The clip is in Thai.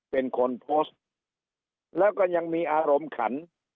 เป็นคนโพสต์แล้วก็ยังมีอารมณ์ขัน